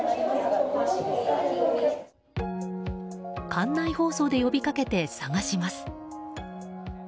館内放送で呼び掛けて捜します。